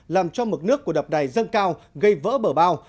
làm cho mực nước của đập đài dâng cao gây vỡ bờ bao